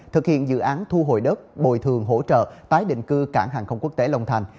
thực hiện dự án thu hồi đất bồi thường hỗ trợ tái định cư cảng hàng không quốc tế long thành